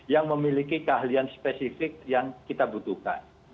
yang memiliki keahlian spesifik yang kita butuhkan